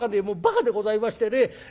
もうばかでございましてね。